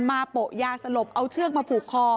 โปะยาสลบเอาเชือกมาผูกคอ